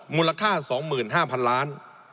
มูลค่า๒๕๐๐๐ล้าน